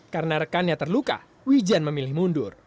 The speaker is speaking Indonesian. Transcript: karena rekannya terluka wijan memilih mundur